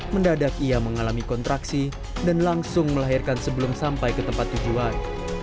mendadak ia mengalami kontraksi dan langsung melahirkan sebelum sampai ke tempat tujuan